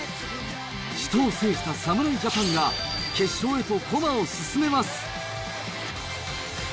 死闘を制した侍ジャパンが、決勝へと駒を進めます。